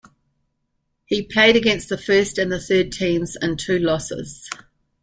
He played against the first and the third teams in two losses.